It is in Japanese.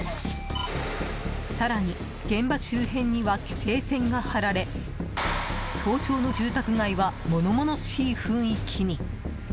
更に、現場周辺には規制線が張られ早朝の住宅街は物々しい雰囲気に。